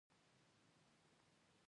باز د باد خلاف الوزي